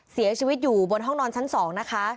เสียชีวิตอยู่บนห้องนอนชั้น๒นะคะ